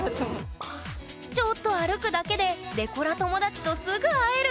ちょっと歩くだけでデコラ友達とすぐ会える！